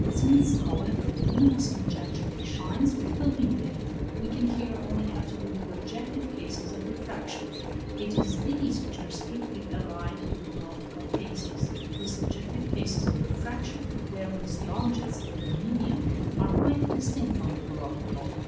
Since, however, the luminous image actually shines through the medium, we can here only have to do with objective cases of refraction: it is these which are strictly allied to the paroptical cases. The subjective cases of refraction, where we see objects through the medium, are quite distinct from the paroptical.